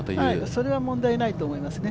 それは問題ないと思いますね。